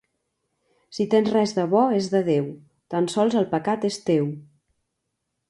Si tens res de bo és de Déu; tan sols el pecat és teu.